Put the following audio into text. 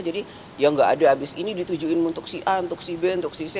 ya nggak ada habis ini ditujuin untuk si a untuk si b untuk si c